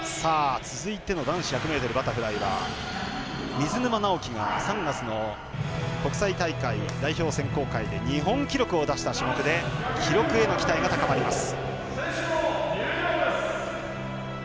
続いての男子１００ｍバタフライ水沼尚輝が３月の国際大会代表選考会で日本記録を出した種目で記録への期待が高まります。